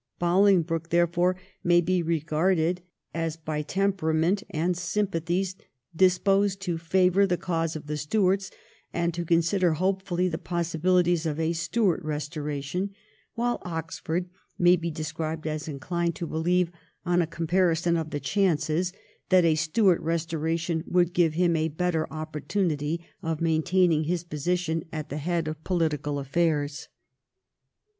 Bolingbroke therefore may be regarded as 1713 14 BOLINGBROKE'S SYMPATHIES. 259 by temperament and sympathies disposed to favour the cause of the Stuarts, and to consider hopefully the possibilities of a Stuart restoration, while Oxford may be described as inclined to believe, on a comparison of the chances, that a Stuart restoration would give him a better opportunity of maintaining his position at the head of political afiairs.